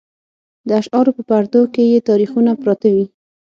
د اشعارو په پردو کې یې تاریخونه پراته وي.